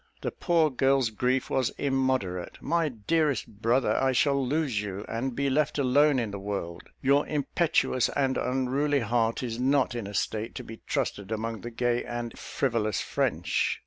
The poor girl's grief was immoderate. "My dearest brother, I shall lose you, and be left alone in the world. Your impetuous and unruly heart is not in a state to be trusted among the gay and frivolous French.